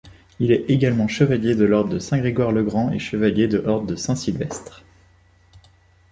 Il est également chevalier de l'ordre de Saint-Grégoire-le-Grand et chevalier de ordre de Saint-Sylvestre.